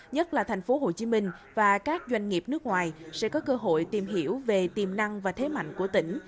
nhất là tp hcm và các doanh nghiệp nước ngoài sẽ có cơ hội tìm hiểu về tiềm năng và thế mạnh của tỉnh